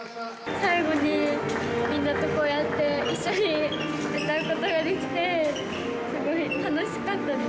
最後にみんなとこうやって一緒に歌うことができて、すごい楽しかったです。